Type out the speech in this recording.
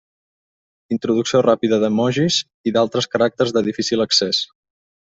Introducció ràpida d'emojis i altres caràcters de difícil accés.